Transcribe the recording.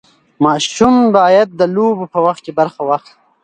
ماشوم باید د لوبو په وخت برخه واخلي.